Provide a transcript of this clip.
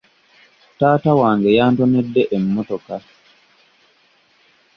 Taata wange yantonedde emmotoka.